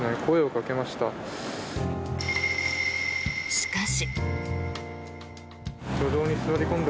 しかし。